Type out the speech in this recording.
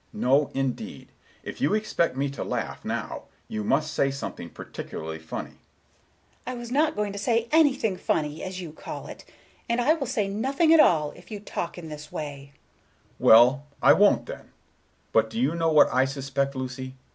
No, indeed! If you expect me to laugh, now, you must say something particularly funny." Miss Galbraith: "I was not going to say anything funny, as you call it, and I will say nothing at all, if you talk in that way." Mr. Richards: "Well, I won't, then. But do you know what I suspect, Lucy?